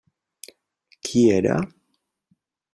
Qui era?